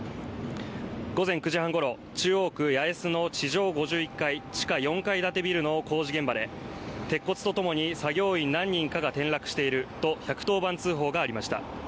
午前９時半ごろ中央区八重洲の地上５１階、地下４階建ビルの工事現場で鉄骨とともに作業員何人かが転落していると１１０番通報がありました。